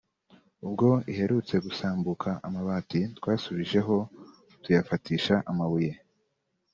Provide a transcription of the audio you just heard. ubwo iherutse gusambuka amabati twasubijeho tuyafatisha amabuye”